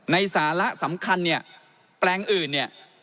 สาระสำคัญเนี่ยแปลงอื่นเนี่ย